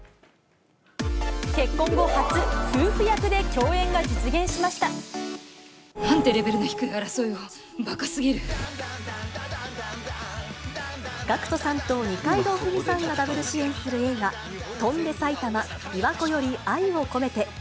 結婚後初、夫婦役で共演が実なんてレベルの低い争いを、ＧＡＣＫＴさんと二階堂ふみさんがダブル主演する映画、翔んで埼玉琵琶湖より愛を込めて。